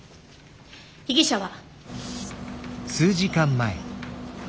被疑者は。